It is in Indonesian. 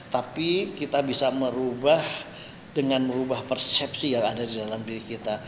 tapi kita bisa merubah dengan merubah persepsi yang ada di dalam diri kita